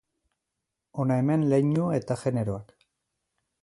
Hona hemen leinu eta generoak.